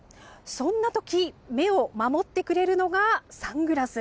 そんな時目を守ってくれるのがサングラス。